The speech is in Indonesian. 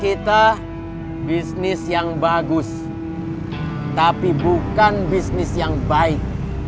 kita bisnis yang bagus tapi bukan bisnis yang baik